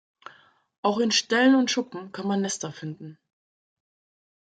Auch in Ställen und Schuppen kann man Nester finden.